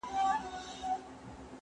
زه لیکل نه کوم